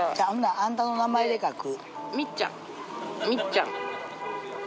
あんたの名前で書く。